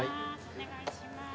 お願いします。